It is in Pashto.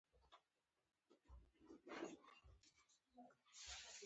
چای د مجلس مزه لري.